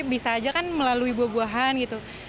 bisa aja kan melalui buah buahan gitu